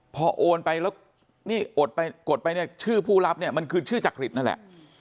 พอโอนไปแล้วนี่โกรธไปชื่อผู้รับมันคือชื่อจักริตนั่นแหละ